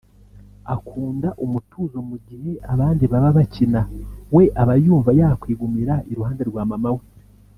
akunda umutuzo mu gihe abandi bana bakina we aba yumva yakwigumira iruhande rwa mama we